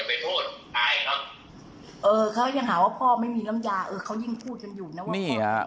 เออเขายังหาว่าพ่อไม่มีลำยาเขายิ่งพูดกันอยู่นะ